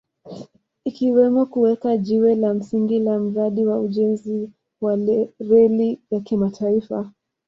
ikiwemo kuweka jiwe la msingi la mradi wa ujenzi wa reli ya kimataifa